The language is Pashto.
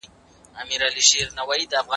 چي اوتر اوتر یې کتل.